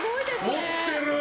持ってる！